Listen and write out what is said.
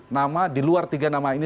nama di luar tiga nama ini